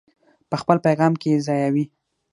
په خپل پیغام کې یې ځایوي.